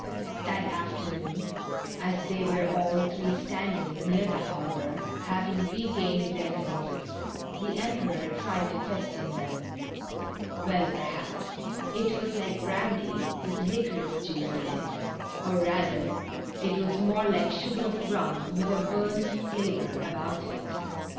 That afternoon, as they were all three standing near the harbor, having regained their senses, the Emperor tried to question them. Well, per haps it was like brandy with liquorice juice in it, or, rather, it was more like sugared rum with a burnt fla vor about it.